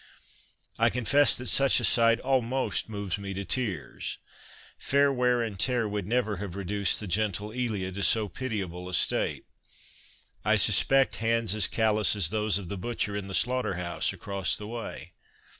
I confess that such a sight almost moves me to tears. SECOND HAND BOOKS 75 Fair wear and tear would never have reduced the gentle Elia to so pitiable a state. I suspect hands as callous as those of the butcher in the slaughter house across the way.